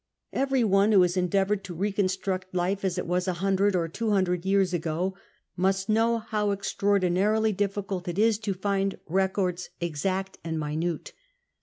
Every one who has endeavoured to recon struct life as it was a hundred or two hundred years ago must know how extraordinarily difficult it is to find records exact and minute.